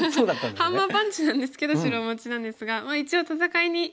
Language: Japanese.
ハンマーパンチなんですけど白持ちなんですがまあ一応戦いにすることができたので。